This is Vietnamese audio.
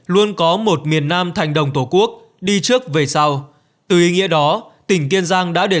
luôn có một miền nam thành đồng tổ quốc đi trước về sau từ ý nghĩa đó tỉnh kiên giang đã đề